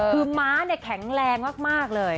คือม้าเนี่ยแข็งแรงมากเลย